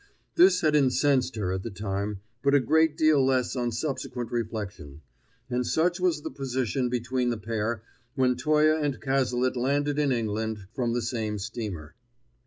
This had incensed her at the time, but a great deal less on subsequent reflection; and such was the position between that pair when Toye and Cazalet landed in England from the same steamer.